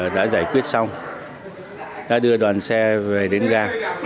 đã giải quyết xong đã đưa đoàn xe về đến ga